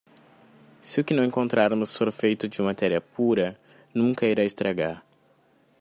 Se o que encontrarmos for feito de matéria pura, nunca irá estragar.